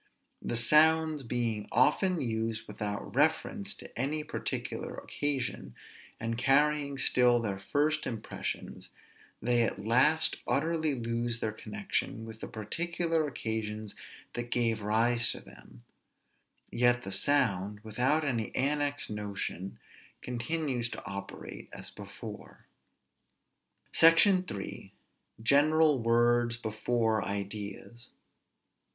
The sounds being often used without reference to any particular occasion, and carrying still their first impressions, they at last utterly lose their connection with the particular occasions that gave rise to them; yet the sound, without any annexed notion, continues to operate as before. SECTION III. GENERAL WORDS BEFORE IDEAS.